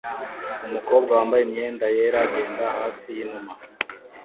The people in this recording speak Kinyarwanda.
Umukobwa wambaye imyenda yera agenda hafi yinuma